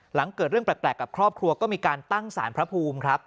หลังเกิดเรื่องแปลกกับครอบครัวก็มีการตั้งสารพระภูมิครับ